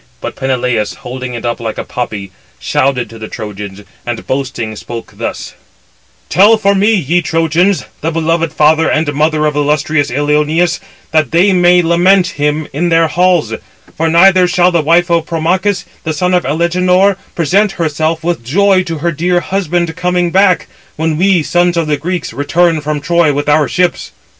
But he (Peneleus), holding it up like a poppy, shouted to the Trojans, and boasting spoke thus: "Tell for me, ye Trojans, the beloved father and mother of illustrious Ilioneus, that they may lament him in their halls; for neither shall the wife of Promachus, the son of Alegenor, present herself with joy to her dear husband coming [back], when we, sons of the Greeks, return from Troy with our ships."